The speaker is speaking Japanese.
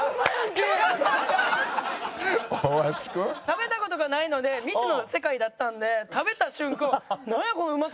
食べた事がないので未知の世界だったんで食べた瞬間。